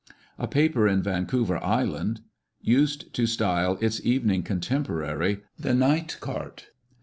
A paper in Vancouver Island used to style its evening contemporary " the night cart."